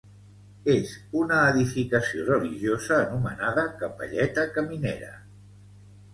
És una edificació religiosa anomenada capelleta caminera.